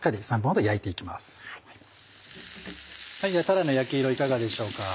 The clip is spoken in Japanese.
ではたらの焼き色いかがでしょうか？